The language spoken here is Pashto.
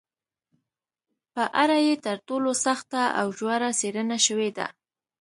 په اړه یې تر ټولو سخته او ژوره څېړنه شوې ده